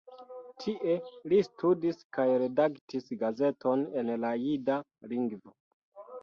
Tie li studis kaj redaktis gazeton en la jida lingvo.